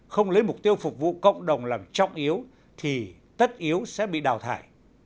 không lấy mục tiêu phục vụ cộng đồng làm trọng yếu thì tất yếu sẽ bị đào thải